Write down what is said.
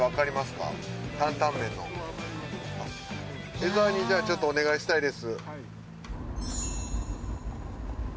江ざわにじゃあちょっとお願いしたいです。